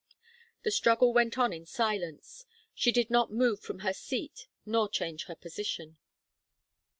The struggle went on in silence. She did not move from her seat nor change her position.